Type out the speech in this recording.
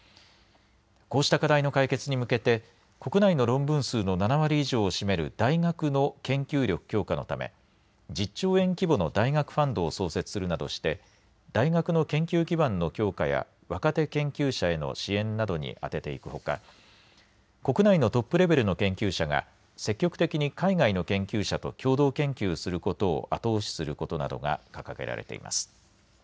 こうした課題の解決に向けて国内の論文数の７割以上を占める大学の研究力強化のため１０兆円規模の大学ファンドを創設するなどして、大学の研究基盤の強化や若手研究者への支援などに充てていくほか国内のトップレベルの研究者が積極的に海外の研究者と共同研究することを後押しすることなどが掲げられています。